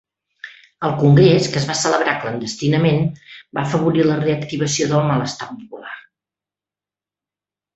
El congrés, que es va celebrar clandestinament, va afavorir la reactivació del malestar popular.